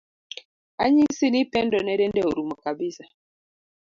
Anyisi ni Pendo ne dende orumo kabisa.